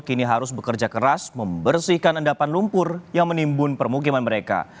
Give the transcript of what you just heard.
kini harus bekerja keras membersihkan endapan lumpur yang menimbun permukiman mereka